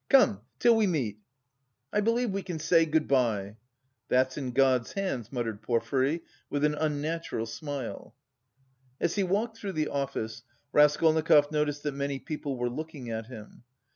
Come, till we meet!" "I believe we can say good bye!" "That's in God's hands," muttered Porfiry, with an unnatural smile. As he walked through the office, Raskolnikov noticed that many people were looking at him.